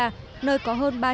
triệu lượt khách mỗi năm